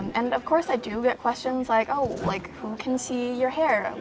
dan tentu saja saya mendapatkan pertanyaan seperti oh siapa yang bisa melihat rambutmu